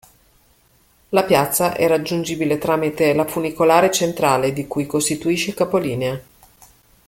La piazza è raggiungibile tramite la Funicolare Centrale, di cui costituisce il capolinea.